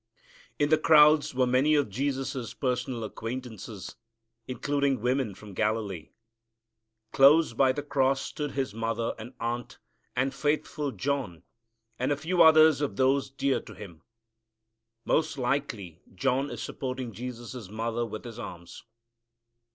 In the crowds were many of Jesus' personal acquaintances, including women from Galilee. Close by the cross stood His mother and aunt and faithful John and a few others of those dear to Him. Most likely John is supporting Jesus' mother with his arms.